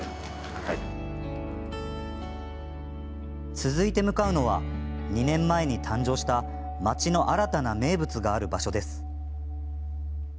続いて向かうのは２年前に誕生した町の新たな名物がある場所です。